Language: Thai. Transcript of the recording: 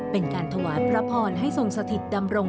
เป็นการถวายพระพรให้ทรงสถิตดำรง